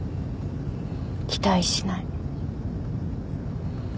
期待しない。